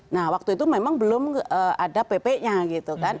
nah waktu itu memang belum ada pp nya gitu kan